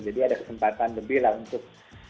jadi ada kesempatan lebih untuk